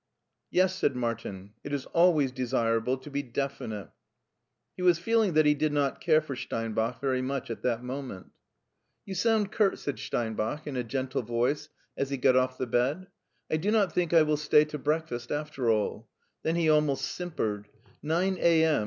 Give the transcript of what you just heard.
" Yes," said Martin, " it is always desirable to be definite." He was feeling that he did not care for Steinbach very much at that moment . LEIPSIC 107 " You sound curt," said Steinbach in a gentle voice as he got off the bed. " I do not think I will stay to breakfast after all" Then he almost simpered, " Nine a.m.